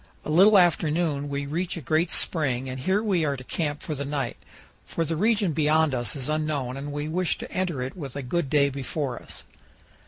A little after noon we reach a great spring, and here we are to camp for the night, for the region beyond us is unknown and we wish to enter it with a good day before us.